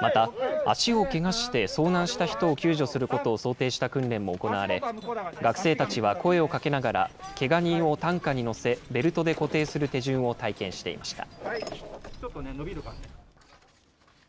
また、足をけがして遭難した人を救助することを想定した訓練も行われ、学生たちは声をかけながら、けが人を担架に乗せ、ベルトで固定する手順を体験していました。